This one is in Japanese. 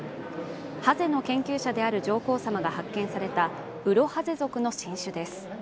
ハゼの研究者である上皇さまが発見されたウロハゼ属の新種です。